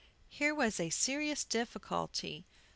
Here was a serious difficulty.